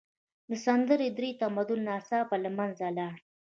د سند درې تمدن ناڅاپه له منځه لاړ.